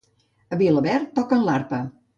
A Vilaverd toquen l'arpa.